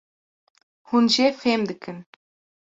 hûn jê fehm dikin